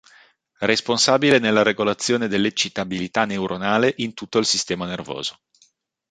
Responsabile nella regolazione dell'eccitabilità neuronale in tutto il sistema nervoso.